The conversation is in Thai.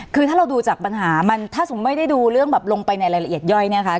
คือถ้าเราดูจากปัญหามันถ้าสมมุติไม่ได้ดูเรื่องแบบลงไปในรายละเอียดย่อยเนี่ยค่ะ